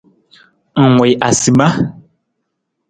Ng wii asima.